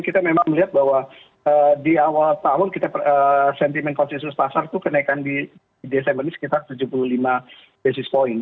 kita memang melihat bahwa di awal tahun kita sentimen konsensus pasar itu kenaikan di desember ini sekitar tujuh puluh lima basis point